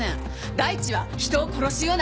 大地は人を殺すような。